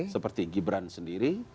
seperti gibran sendiri